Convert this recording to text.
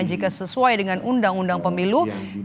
jika sesuai dengan undang undang pemilu